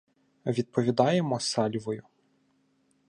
Відповідаємо сальвою.